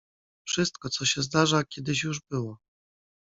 "Wszystko, co się zdarza, kiedyś już było."